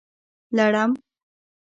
لړم